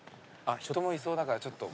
人もいそうだから。